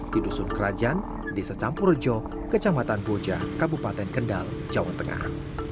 di dusun kerajaan desa campurjo kecamatan boja kabupaten kendal jawa tengah